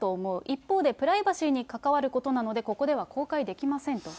一方で、プライバシーに関わることなので、ここでは公開できませんと。